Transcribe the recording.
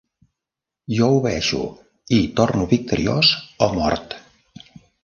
Jo obeeixo, i torno victoriós o mort!